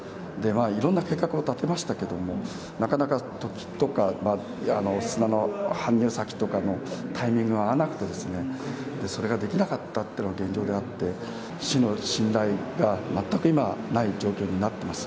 いろんな計画を立てましたけども、なかなか砂の搬入先とかのタイミングが合わなくてですね、それができなかったというのが現状であって、市の信頼が全く今、ない状態になってます。